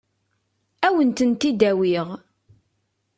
Ad wen-tent-id-awiɣ.